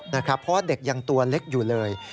เพราะว่าเด็กยังตัวเล็กอยู่เลย